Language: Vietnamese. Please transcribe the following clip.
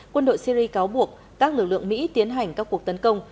quân đội syri cáo buộc các lực lượng mỹ tiến hành các cuộc tấn công